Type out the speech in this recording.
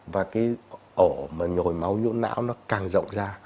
và cái ổ mà nhồi máu nhũ não nó càng rộng ra